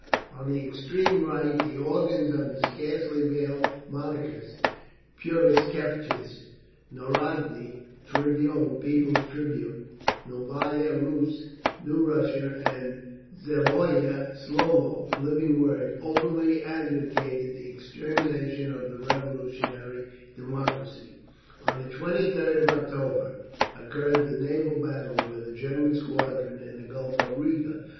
On the extreme right the organs of the scarcely veiled Monarchists, Purishkevitch's Narodny Tribun (People's Tribune), Novaya Rus (New Russia), and Zhivoye Slovo (Living Word), openly advocated the extermination of the revolutionary democracy…. On the 23rd of October occurred the naval battle with a German squadron in the Gulf of Riga.